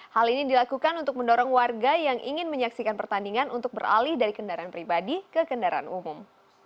hal ini dilakukan untuk mendorong warga yang ingin menyaksikan pertandingan untuk beralih dari kendaraan pribadi ke kendaraan umum